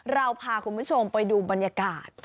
เราพาคุณผู้ชมไปดูบรรยากาศ